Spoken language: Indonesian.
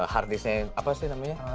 hardisk nya apa sih namanya